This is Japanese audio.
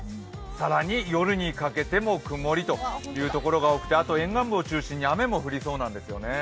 更に、夜にかけても曇りという所が多くて、沿岸部を中心に雨も降りそうなんですよね。